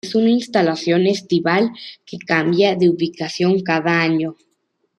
Es una instalación estival que cambia de ubicación cada año.